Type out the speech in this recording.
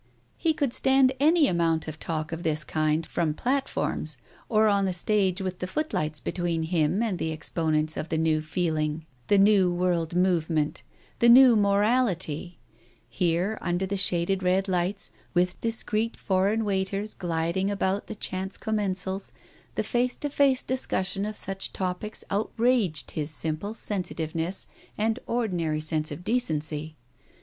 He could stand any amount of talk of this kind from platforms, or on the stage with the footlights between him and the exponents of the new Feeling, the New World Movement, the new Morality; here, under the shaded red lights, with discreet foreign waiters gliding about the chance commensals; the face to face discus Digitized by Google 246 TALES OF THE UNEASY sion of such topics outraged his simple sensitiveness and ordinary sense of decency.